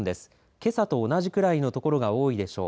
けさと同じくらいの所が多いでしょう。